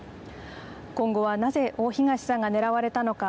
今後は、なぜ大東さんが狙われたのか。